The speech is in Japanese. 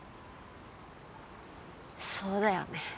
そうだよね。